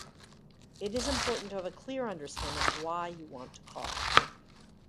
It is important to have a clear understanding of why you want to call.